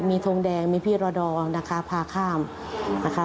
มีทงแดงมีพี่รอดองนะคะพาข้ามนะคะ